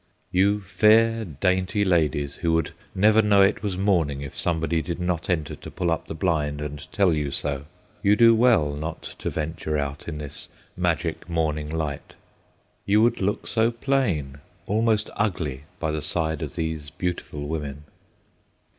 You fair, dainty ladies, who would never know it was morning if somebody did not enter to pull up the blind and tell you so! You do well not to venture out in this magic morning light. You would look so plain—almost ugly, by the side of these beautiful women.